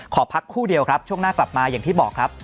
ขอพักครู่เดียวครับช่วงหน้ากลับมาอย่างที่บอกครับ